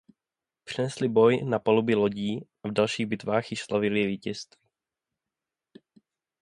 Přenesli boj na paluby lodí a v dalších bitvách již slavili vítězství.